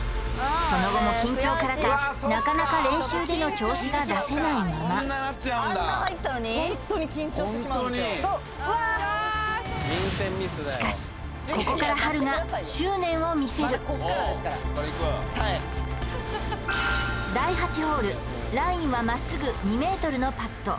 その後も緊張からかなかなか練習での調子が出せないまましかしここからはるが執念を見せる第８ホールラインはまっすぐ２ｍのパット